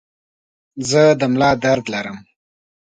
زه د ملا درد لرم.